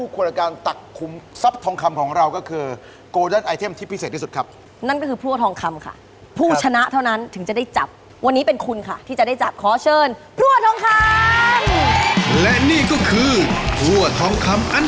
กลุ่มทรัพย์ทองคำนั่นเองครับผมแล้วสิ่งเดียวที่จะคู่กล